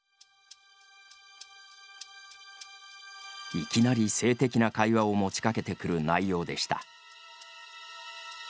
いきなり性的な会話を持ちかけてくる内容でした。